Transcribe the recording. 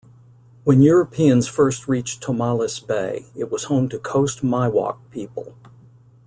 When Europeans first reached Tomales Bay, it was home to Coast Miwok people.